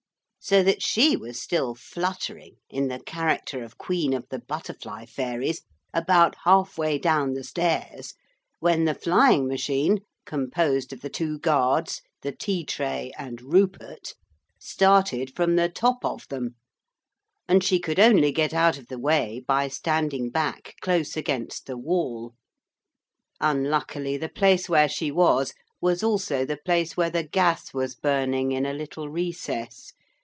So that she was still fluttering, in the character of Queen of the Butterfly Fairies, about half way down the stairs when the flying machine, composed of the two guards, the tea tray, and Rupert, started from the top of them, and she could only get out of the way by standing back close against the wall. Unluckily the place where she was, was also the place where the gas was burning in a little recess.